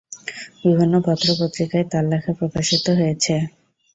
বিভিন্ন পত্র-পত্রিকায় তার লেখা প্রকাশিত হয়েছে।